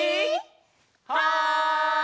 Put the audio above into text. はい！